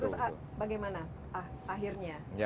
terus bagaimana akhirnya